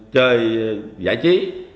chơi giải trí